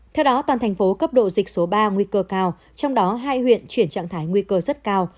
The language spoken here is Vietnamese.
theo đó toàn thành phố cấp độ dịch số ba nguy cơ cao trong đó hai huyện chuyển trạng thái nguy cơ rất cao